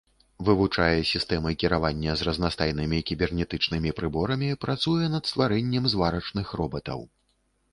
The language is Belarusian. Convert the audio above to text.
Вывучае сістэмы кіравання з разнастайнымі кібернетычнымі прыборамі, працуе над стварэннем зварачных робатаў.